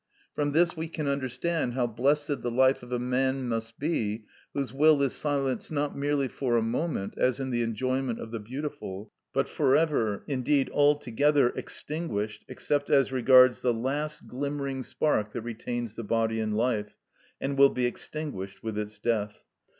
From this we can understand how blessed the life of a man must be whose will is silenced, not merely for a moment, as in the enjoyment of the beautiful, but for ever, indeed altogether extinguished, except as regards the last glimmering spark that retains the body in life, and will be extinguished with its death.